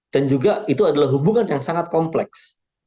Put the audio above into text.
dan juga itu adalah hubungan yang sangat kompleks